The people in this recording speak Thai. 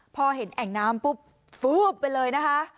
พอเห็นแอ่งน้ำปุ๊บเป็นเลยนะคะ